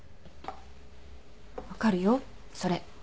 分かるよそれ。